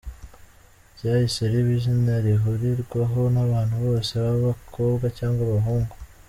Ryahise riba izina rihurirwaho n’abantu bose baba abakobwa cyangwa abahungu.